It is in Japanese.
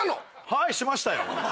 はいしましたよ！